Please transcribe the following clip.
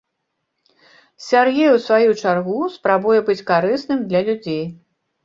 Сяргей, у сваю чаргу, спрабуе быць карысным для людзей.